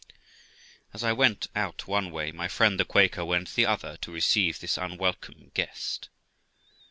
As I went out one way, my friend the Quaker went the other to receive this unwelcome guest.